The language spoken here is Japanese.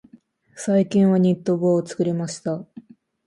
最近はニット帽を作りました。